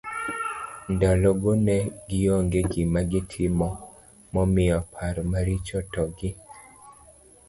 Ndalo go ne gionge gima gitimo momiyo paro maricho to gi